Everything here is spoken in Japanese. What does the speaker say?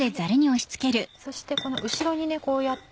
そしてこの後ろにこうやって。